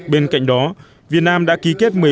bên cạnh đó việt nam đã ký kết